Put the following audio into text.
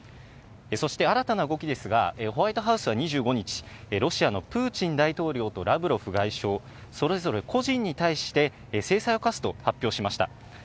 そして新たな動きですが、ホワイトハウスは２５日、ロシアのプーチン大統領とラブロフ外相、それぞれ個人に対して制裁を科すと発表しました。